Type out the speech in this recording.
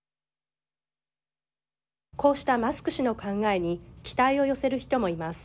こうしたマスク氏の考えに期待を寄せる人もいます。